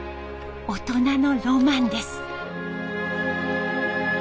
大人のロマンです。